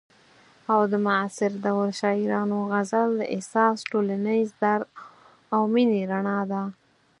او د معاصر دور شاعرانو غزل د احساس، ټولنیز درد او مینې رڼا ده.